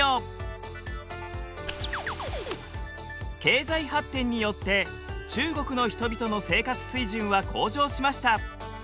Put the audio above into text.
経済発展によって中国の人々の生活水準は向上しました。